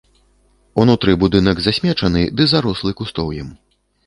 Унутры будынак засмечаны ды зарослы кустоўем.